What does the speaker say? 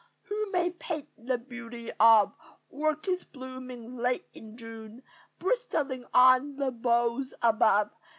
Who may paint the beauty of Orchids blooming late in June, Bristling on the boughs above!